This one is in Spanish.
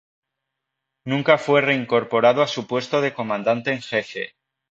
Nunca fue reincorporado a su puesto de comandante en jefe.